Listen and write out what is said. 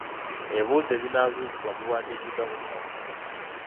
Ebibuuzo ebinaabuuzibwa biwanddikibwa ku lupapula.